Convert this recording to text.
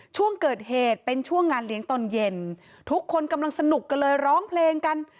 ช่วงเกิดเหตุเป็นช่วงงานเลี้ยงตอนเย็นทุกคนกำลังสนุกกันเลยร้องเพลงกัน